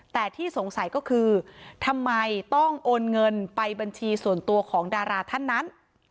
แต่ที่สงสัยก็คือทำไมต้องโอนเงินไปบัญชีส่วนตัวของดาราท่านนั้น